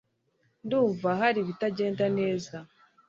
ndumva hari ibitagenda neza